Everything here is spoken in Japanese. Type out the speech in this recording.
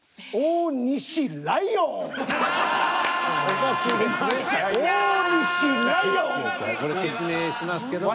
これ説明しますけども。